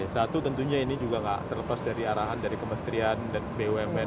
satu tentunya ini juga tidak terlepas dari arahan dari kementerian dan bumn